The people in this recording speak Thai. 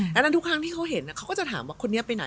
ดังนั้นทุกครั้งที่เขาเห็นเขาก็จะถามว่าคนนี้ไปไหน